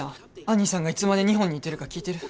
アニーさんがいつまで日本にいてるか聞いてる？